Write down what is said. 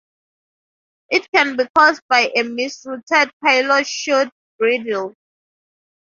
It can be caused by a mis-routed pilot chute bridle.